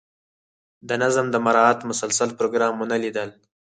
د نظم د مراعات مسلسل پروګرام ونه لیدل.